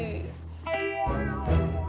usahanya udah disanko